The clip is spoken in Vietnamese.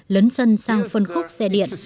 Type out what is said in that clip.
lấn sân sang phân khúc xe điện